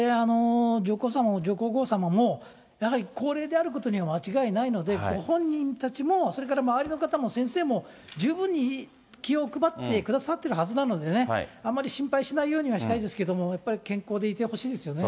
上皇さまも上皇后さまも、やはり高齢であることには間違いないので、ご本人たちも、それから周りの方も、先生も、十分に気を配ってくださってるはずなのでね、あまり心配しないようにはしたいですけども、やっぱり健康でいてほしいですよね。